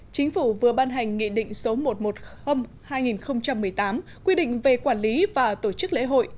chính phủ vừa ban hành nghị định số một trăm một mươi hai nghìn một mươi tám quy định về quản lý và tổ chức lễ hội